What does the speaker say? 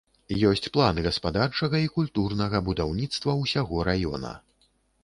Ёсць план гаспадарчага і культурнага будаўніцтва ўсяго раёна.